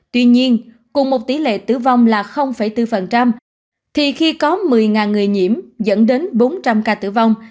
tuy nhiên cùng một tỷ lệ tử vong là bốn thì khi có một mươi người nhiễm dẫn đến bốn trăm linh ca tử vong